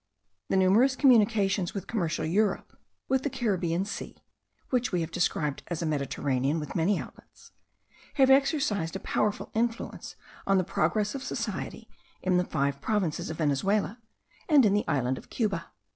The numerous communications with commercial Europe, with the Caribbean Sea (which we have described as a Mediterranean with many outlets), have exercised a powerful influence on the progress of society in the five provinces of Venezuela and in the island of Cuba.